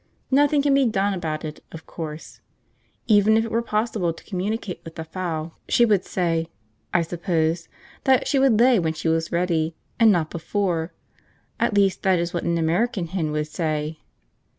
Nothing can be done about it, of course; even if it were possible to communicate with the fowl, she would say, I suppose, that she would lay when she was ready, and not before; at least, that is what an American hen would say.